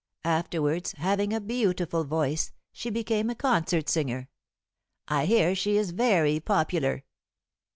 Afterwards, having a beautiful voice, she became a concert singer. I hear she is very popular."